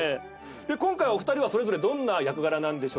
今回お二人はそれぞれどんな役柄なんでしょうか？